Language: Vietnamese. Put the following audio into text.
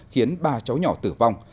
khiến ba cháu nhỏ tử vong